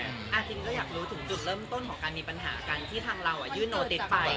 จริงก็อยากรู้ถึงจุดเริ่มต้นของการมีปัญหากันที่ทางเรายื่นโนติสไป